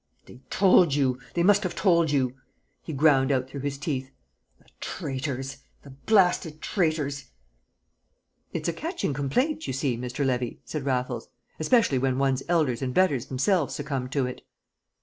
"They told you! They must have told you!" he ground out through his teeth. "The traitors the blasted traitors!" "It's a catching complaint, you see, Mr. Levy," said Raffles, "especially when one's elders and betters themselves succumb to it."